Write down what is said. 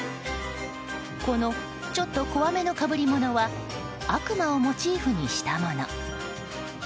このちょっと怖めの被り物は悪魔をモチーフにしたもの。